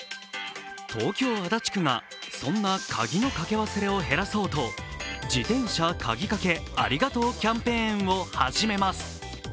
東京・足立区が、そんな鍵のかけ忘れを減らそうと自転車カギかけありがとうキャンペーンを始めます。